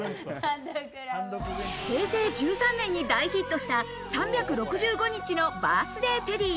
平成１３年に大ヒットした３６５日のバースデーテディ。